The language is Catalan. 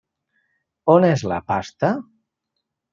On és la pasta?